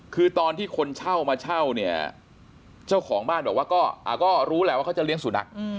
คือตอนที่คนเช่ามาเช่าเนี่ยเจ้าของบ้านบอกว่าก็รู้แหละว่าเขาจะเลี้ยงสุนัข